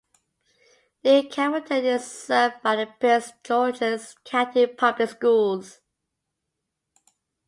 New Carrollton is served by the Prince George's County Public Schools.